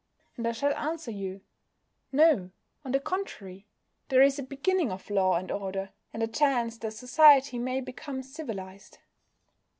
And I shall answer you: "No, on the contrary, there is a beginning of law and order, and a chance that society may become civilised."